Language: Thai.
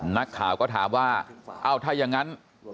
นักข่าวก็ถามว่าเอ้าถ้าอย่างนั้น